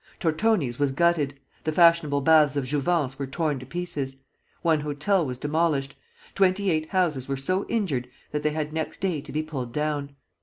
Tortoni's was gutted; the fashionable Baths of Jouvence were torn to pieces; one hotel was demolished; twenty eight houses were so injured that they had next day to be pulled down.